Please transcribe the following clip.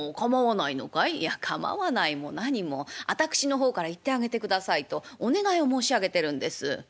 「いや構わないも何も私の方から行ってあげてくださいとお願いを申し上げてるんです」。